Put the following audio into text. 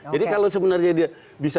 jadi kalau sebenarnya dia bisa